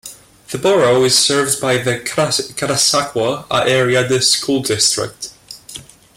The borough is served by the Catasauqua Area School District.